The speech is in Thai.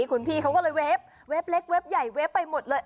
คุณพี่เขาก็เลยเว็บเล็กเว็บใหญ่เวฟไปหมดเลย